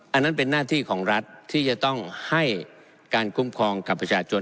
อันนั้นเป็นหน้าที่ของรัฐที่จะต้องให้การคุ้มครองกับประชาชน